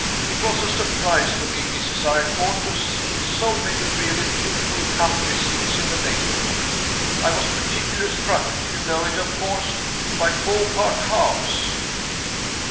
It was a surprise to me, Mrs. Eyrecourt, to see so many really beautiful country seats in the neighborhood. I was particularly struck you know it, of course? by Beaupark House."